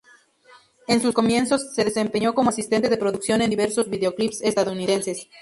En sus comienzos, se desempeñó como asistente de producción en diversos video clips estadounidenses.